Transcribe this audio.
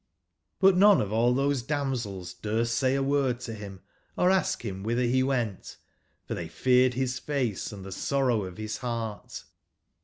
But none of all those damsels durst say a word to bim or ask him whither be went, for they feared bis face & the sorrow of bis heart.